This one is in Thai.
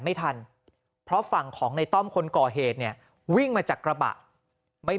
ไม่ทันเพราะฝั่งของในต้อมคนก่อเหตุเนี่ยวิ่งมาจากกระบะไม่